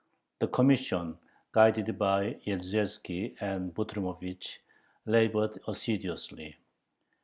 The Commission, guided by Yezierski and Butrymovich, labored assiduously.